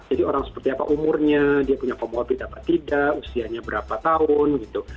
jadi orang seperti apa umurnya dia punya pemobot apa tidak usianya berapa tahun gitu